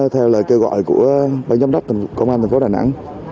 theo lời kêu gọi của ban giám đốc công an thành phố đà nẵng